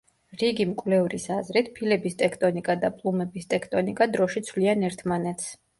რიგი მკვლევრის აზრით, ფილების ტექტონიკა და პლუმების ტექტონიკა დროში ცვლიან ერთმანეთს.